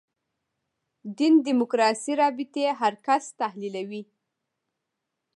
دین دیموکراسي رابطې هر کس تحلیلوي.